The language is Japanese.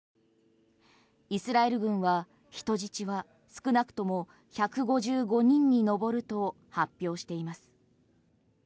イスラエル軍は人質は少なくとも１５５人に上ると発表しています。